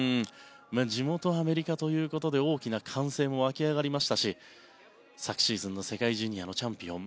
地元アメリカということで大きな歓声も沸き上がりましたし昨シーズンの世界ジュニアのチャンピオン。